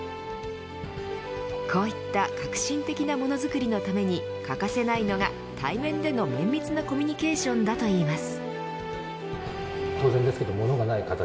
こういった革新的なものづくりのために欠かせないのが対面での綿密なコミュニケーションだといいます。